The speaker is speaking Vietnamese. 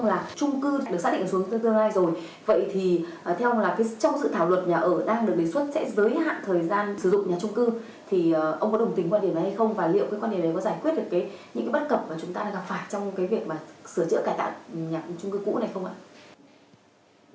mà chúng ta đang gặp phải trong cái việc sửa chữa cải tạo nhà chung cư cũ này không ạ